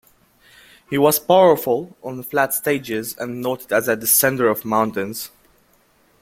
He was powerful on flat stages and noted as a descender of mountains.